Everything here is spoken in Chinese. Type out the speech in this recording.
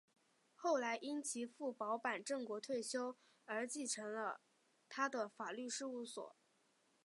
后来因其父保坂正国退休而承继了他的法律事务所。